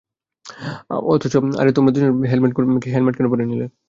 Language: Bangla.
আরে, তোমরা দুইজন হেলমেট কেনো পরে নিলে?